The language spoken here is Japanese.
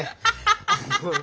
ハハハハッ！